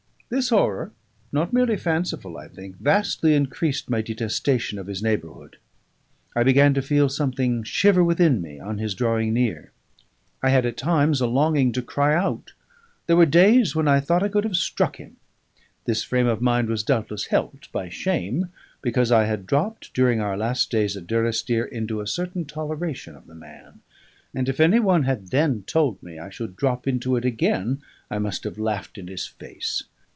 This horror (not merely fanciful, I think) vastly increased my detestation of his neighbourhood; I began to feel something shiver within me on his drawing near; I had at times a longing to cry out; there were days when I thought I could have struck him. This frame of mind was doubtless helped by shame, because I had dropped during our last days at Durrisdeer into a certain toleration of the man; and if any one had then told me I should drop into it again, I must have laughed in his face.